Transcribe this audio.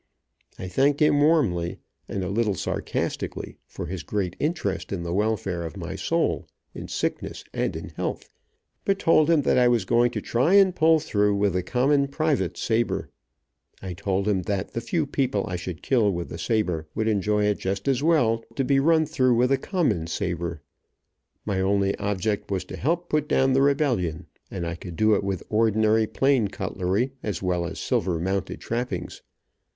I thanked him warmly, and a little sarcastically, for his great interest in the welfare of my soul, in sickness and in health, but told him that I was going to try and pull through with a common private's saber. I told him that the few people I should kill with a saber, would enjoy it just as well to be run through with a common saber. My only object was to help put down the rebellion, and I could do it with ordinary plain cutlery, as well as silver mounted trappings.